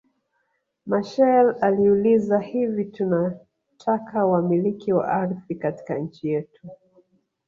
Machel aliuliza hivi tunataka wamiliki wa ardhi katika nchi yetu